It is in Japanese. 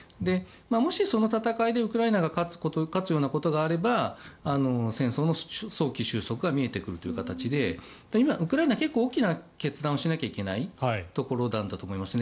もし、その戦いでウクライナが勝つようなことがあれば戦争の早期終息が見えてくるという形で今、ウクライナ、結構大きな決断をしなきゃいけないところなんだと思います。